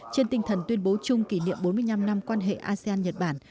trên tinh thần tuyên bố chung kỷ niệm bốn mươi năm năm quan hệ asean nhật bản